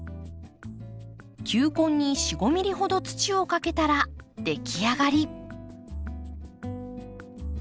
球根に４５ｍｍほど土をかけたら出来上がり。